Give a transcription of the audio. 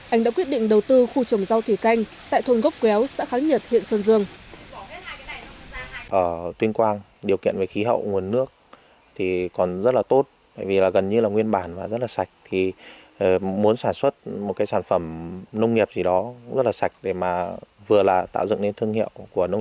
anh đã quyết định đầu tư khu trồng rau thủy canh tại thôn gốc quéo xã kháng nhật huyện sơn dương